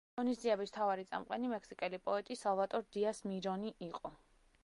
ღონისძიების მთავარი წამყვანი მექსიკელი პოეტი სალვადორ დიას მირონი იყო.